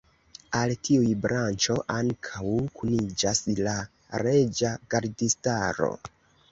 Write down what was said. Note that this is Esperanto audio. Al tiuj branĉo ankaŭ kuniĝas la Reĝa Gardistaro.